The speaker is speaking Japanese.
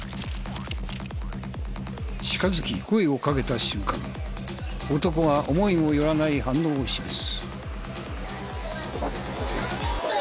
近づき声をかけた瞬間男が思いもよらない反応を示す。